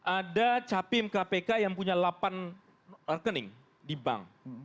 ada capim kpk yang punya delapan rekening di bank